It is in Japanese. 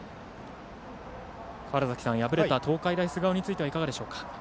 敗れた東海大菅生についてはいかがでしょうか？